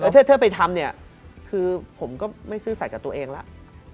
ถ้าไปทำเนี่ยคือผมก็ไม่ซื่อสัตว์กับตัวเองแล้ว